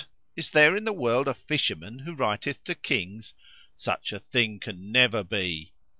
is there in the world a fisherman who writeth to Kings? Such a thing can never be!"